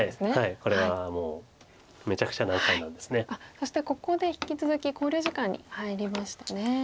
そしてここで引き続き考慮時間に入りましたね。